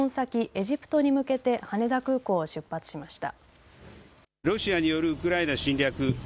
エジプトに向けて羽田空港を出発しました。